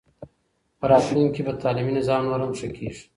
په راتلونکي کې به تعلیمي نظام نور هم ښه کېږي.